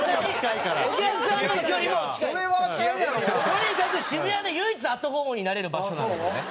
とにかく渋谷で唯一アットホームになれる場所なんですよね。